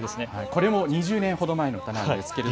これも２０年ほど前の歌です。